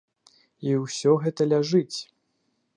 І ўсё гэта ляжыць.